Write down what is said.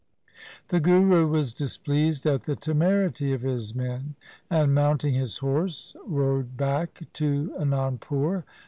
The Guru was displeased at the temerity of his men, and mounting his horse rode back to Anandpur.